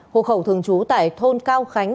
hồ khẩu thường trú tại thôn đình hành